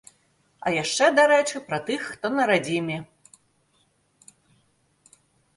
А яшчэ, дарэчы, пра тых, хто на радзіме.